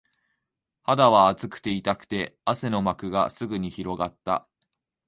肌は熱くて、痛くて、汗の膜がすぐに広がった